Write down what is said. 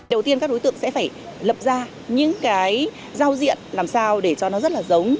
đầu tiên các đối tượng sẽ phải lập ra những cái giao diện làm sao để cho nó rất là giống